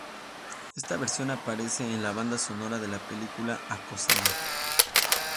Esta versión aparece en la banda sonora de la película "Acosada".